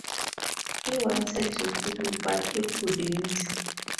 He wanted to fool you, but he couldn't.